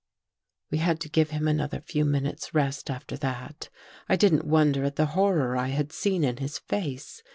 We had to give him another few minutes' rest after that. I didn't wonder at the horror I had seen in his face.